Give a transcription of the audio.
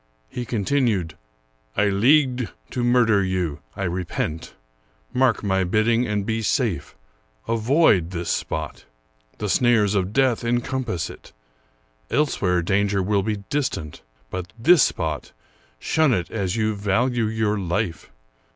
He continued, " I leagued to murder you. I repent. Mark my bidding, and be safe. Avoid this spot. The snares of death encompass it. Elsewhere danger will be distant ; but this spot, shun it as you value your life.